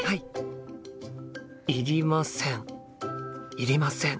いりません。